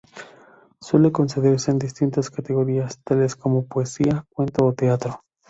Suele concederse en distintas categorías, tales como poesía, cuento o teatro.